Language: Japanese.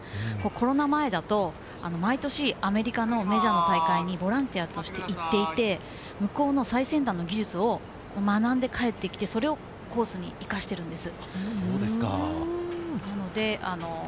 コロナ前だと毎年アメリカのメジャーの大会にボランティアとしていっていて、向こうの最先端の技術を学んで帰ってきて、それをコースに生かしているんです。